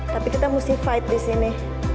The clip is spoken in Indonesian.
tapi kita mesti fight di sini